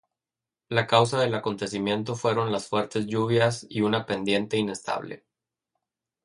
La causa del acontecimiento fueron las fuertes lluvias y una pendiente inestable.